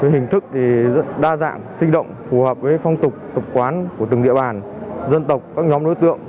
hình thức đa dạng sinh động phù hợp với phong tục tập quán của từng địa bàn dân tộc các nhóm đối tượng